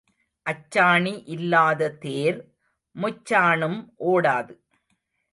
அச்சாணி இல்லாத தேர் முச்சாணும் ஓடாது.